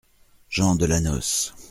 Gens de la noce.